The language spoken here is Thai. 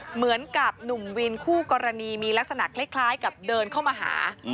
เหมือนกับหนุ่มวินคู่กรณีมีลักษณะคล้ายกับเดินเข้ามาหา